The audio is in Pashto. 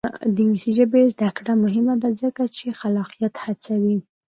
د انګلیسي ژبې زده کړه مهمه ده ځکه چې خلاقیت هڅوي.